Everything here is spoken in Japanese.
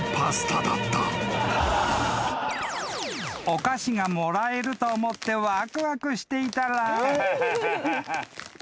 ［お菓子がもらえると思ってわくわくしていたら］